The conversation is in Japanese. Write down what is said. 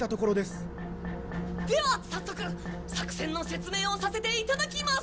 では早速作戦の説明をさせていただきます。